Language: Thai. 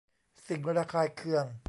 สิ่งระคายเคือง